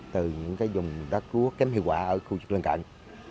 từ những cái vùng đất rúa kém hiệu quả ở khu vực bên cạnh